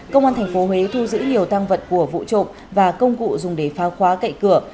công an tp huế thu giữ nhiều tăng vật của vụ trộm và công cụ dùng để pha khóa cậy cửa